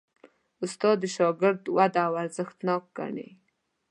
استاد د شاګرد وده ارزښتناک ګڼي.